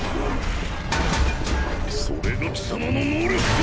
それが貴様の能力か！